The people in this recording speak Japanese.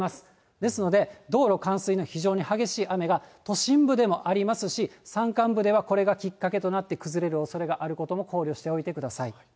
ですので、道路冠水の非常に激しい雨が都心部でもありますし、山間部ではこれがきっかけとなって崩れるおそれがあることも考慮しておいてください。